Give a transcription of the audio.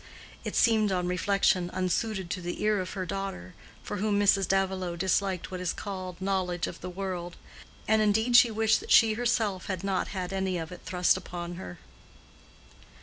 It seemed, on reflection, unsuited to the ear of her daughter, for whom Mrs. Davilow disliked what is called knowledge of the world; and indeed she wished that she herself had not had any of it thrust upon her.